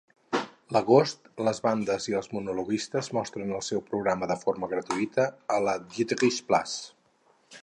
L'agost, les bandes i els monologuistes mostren el seu programa de forma gratuïta a la Dreiecksplatz.